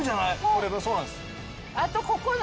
これそうなんです。